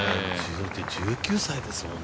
１９歳ですもんね。